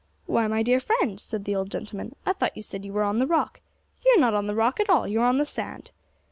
'Why, my dear friend,' said the old gentleman, 'I thought you said you were on the Rock. You're not on the Rock at all, you're on the sand!'